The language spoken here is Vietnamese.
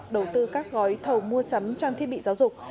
đầu tư các gói thầu mua sắm trang thiết bị giáo dục